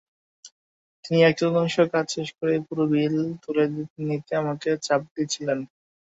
তিনি এক-চতুর্থাংশ কাজ শেষ করেই পুরো বিল তুলে নিতে আমাকে চাপ দিচ্ছিলেন।